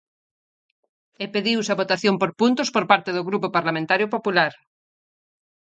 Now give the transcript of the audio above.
E pediuse a votación por puntos por parte do Grupo Parlamentario Popular.